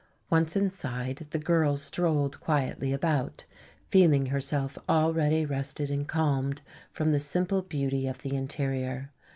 Once inside, the girl strolled quietly about, feeling herself already rested and calmed from the simple beauty of the interior.